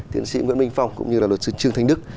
tiến sĩ nguyễn minh phong cũng như là luật sư trương thanh đức